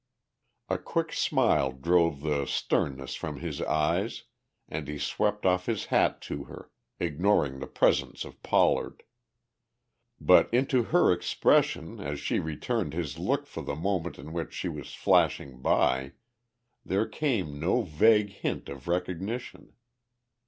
A quick smile drove the sternness from his eyes and he swept off his hat to her, ignoring the presence of Pollard. But into her expression as she returned his look for the moment in which she was flashing by, there came no vague hint of recognition.